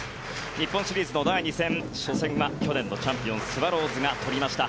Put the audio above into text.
日本シリーズの第２戦初戦は去年のチャンピオンスワローズが取りました。